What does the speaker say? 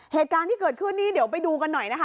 เหตุการณ์ที่เกิดขึ้นนี้เดี๋ยวไปดูกันหน่อยนะคะ